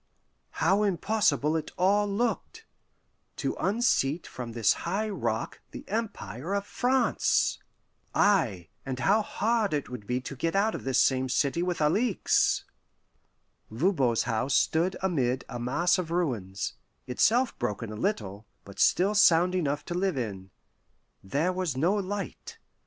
How impossible it all looked to unseat from this high rock the Empire of France! Ay, and how hard it would be to get out of this same city with Alixe! Voban's house stood amid a mass of ruins, itself broken a little, but still sound enough to live in. There was no light.